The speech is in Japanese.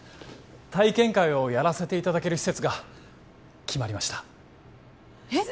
体験会をやらせていただける施設が決まりましたえっ？